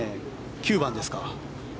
９番ですか。